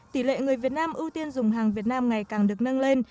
tỷ lệ người việt nam ưu tiên dùng hàng việt nam ngày càng được nâng lên